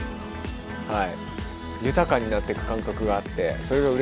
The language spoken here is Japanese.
はい。